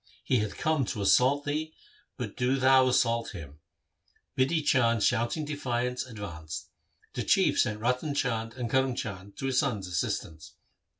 He hath come to assault thee, but do thou assault him.' Bidhi Chand shouting defiance advanced. The Chief sent Ratan Chand and Karm Chand to his son's assistance.